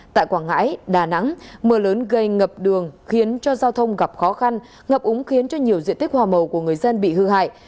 tại quảng ngãi đà nẵng mưa lớn gây ngập đường khiến cho giao thông gặp khó khăn ngập úng khiến cho nhiều diện tích hòa màu của người dân bị hư hại